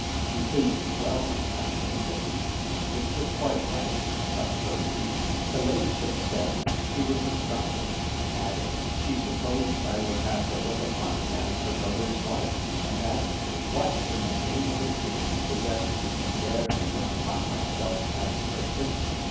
You please me well, my Pamela, said he. This was quite right. But proceed. Her ladyship said, She was astonished! adding, She supposed I would have her look upon me as her brother's wife: And asked me, What, in the name of impudence, possessed me, to dare to look upon myself as her sister?